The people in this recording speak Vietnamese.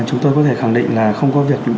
chúng tôi có thể khẳng định là không có việc